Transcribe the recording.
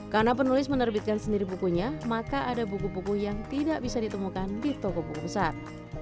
karena penulis menerbitkan sendiri bukunya maka ada buku buku yang tidak bisa ditemukan di toko buku besar